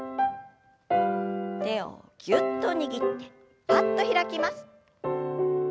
手をぎゅっと握ってぱっと開きます。